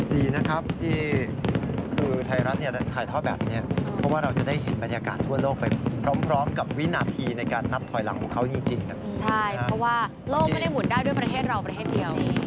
ดีนะครับที่คือไทยรัฐเนี่ยถ่ายทอดแบบนี้เพราะว่าเราจะได้เห็นบรรยากาศทั่วโลกไปพร้อมกับวินาทีในการนับถอยหลังของเขาจริงใช่เพราะว่าโลกไม่ได้หมุนได้ด้วยประเทศเราประเทศเดียว